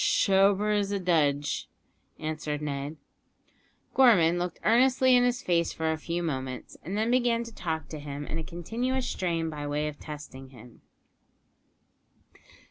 "Shober as a dudge," answered Ned. Gorman looked earnestly in his face for a few moments, and then began to talk to him in a continuous strain by way of testing him.